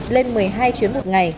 lên một mươi hai chuyến một ngày